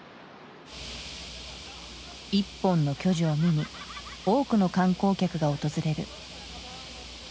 一本の巨樹を見に多くの観光客が訪れる。